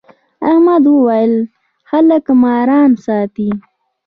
احمد وويل: خلک ماران ساتي.